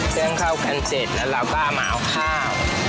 เรื่องข้าวกันเสร็จแล้วเราก็มาเอาข้าว